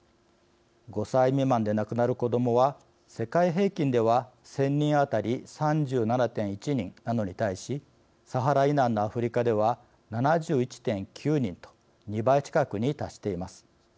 ５歳未満で亡くなる子どもは世界平均では１０００人当たり３７．１人なのに対しサハラ以南のアフリカでは７１．９人と２倍近くに達しています。